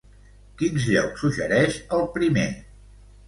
Quins llocs suggereix el primer?